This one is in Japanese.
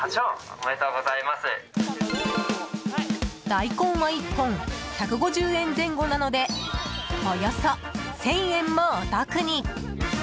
大根は１本１５０円前後なのでおよそ１０００円もお得に。